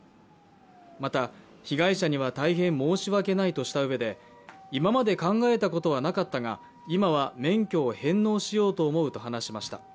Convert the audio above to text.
また、被害者には大変申し訳ないとしたうえで、今まで考えたことはなかったが今は免許を返納しようと思うと話しました。